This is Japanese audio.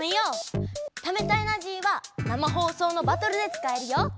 ためたエナジーは生放送のバトルでつかえるよ！